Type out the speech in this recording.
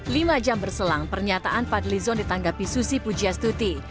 lima jam berselang pernyataan fadlizon ditanggapi susi pujias tutsi